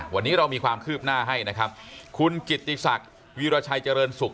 วันนี้เรามีความคืบหน้าให้นะครับคุณกิตติศักดิ์วีรชัยเจริญสุข